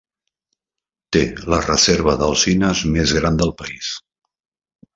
Té la reserva d'alzines més gran del país.